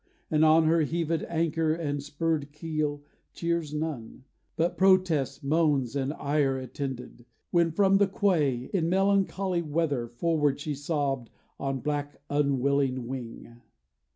And on her heavèd anchor and spurred keel Cheers none, but protest, moans, and ire attended, When from the quay, in melancholy weather Forward she sobbed on black unwilling wing.